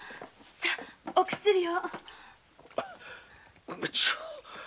さお薬を。